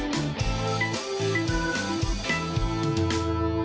โปรดติดตามตอนต่อไป